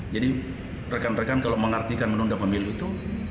jadi rekan rekan kalau mengartikan menunda pemilih itu